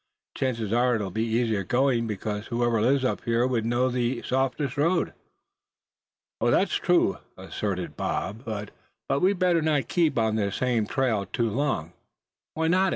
Chances are it'll be easier going, because whoever lives up here would know the softest road." "That's true," assented Bob; "but we'd best not keep on this same trail too long." "Why not?"